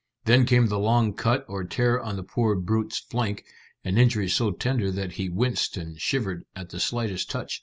Then came the long cut or tear on the poor brute's flank, an injury so tender that he winced and shivered at the slightest touch.